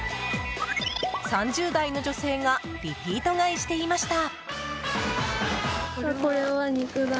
３０代の女性がリピート買いしていました。